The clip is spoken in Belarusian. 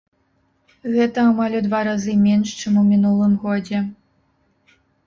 Гэта амаль у два разы менш, чым у мінулым годзе.